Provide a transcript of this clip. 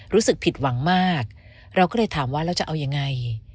รู้สึกผิดหวังมากเราก็เลยถามว่าเราจะเอายังไง